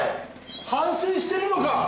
反省してるのか！？